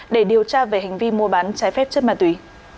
để điều tra về hành vi mua bán trái phép chất ma túy